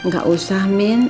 gak usah min